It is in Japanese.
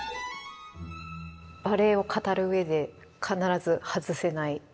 バレエを語る上で必ず外せない。